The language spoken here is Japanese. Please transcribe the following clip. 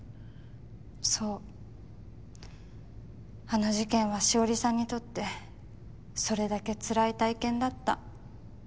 あの事件は紫織さんにとってそれだけつらい体験だった。